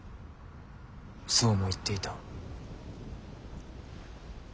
そうも言っていた。